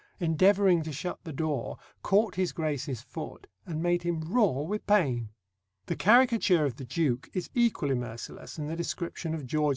endeavouring to shut the door, caught his grace's foot, and made him roar with pain. The caricature of the Duke is equally merciless in the description of George II.'